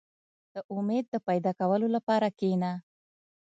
• د امید د پیدا کولو لپاره کښېنه.